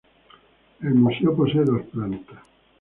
El museo posee dos plantas.